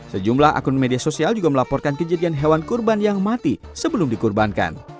sejumlah akun media sosial juga melaporkan kejadian hewan kurban yang mati sebelum dikurbankan